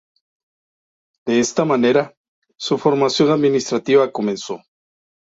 De esta manera, su formación administrativa comenzó.